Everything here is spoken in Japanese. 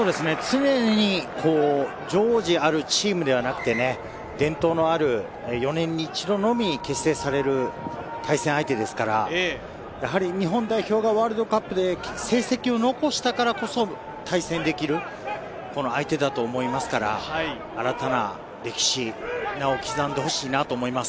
常に常時あるチームではなくて、伝統のある４年に一度のみ結成される対戦相手ですから、日本代表がワールドカップで成績を残したからこそ対戦できる相手だと思いますから、新たな歴史、名を刻んでほしいなと思います。